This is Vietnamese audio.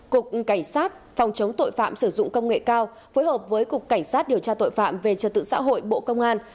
cục cảnh sát phòng chống tội phạm sử dụng công nghệ cao phối hợp với cục cảnh sát điều tra tội phạm về trật tự xã hội bộ công an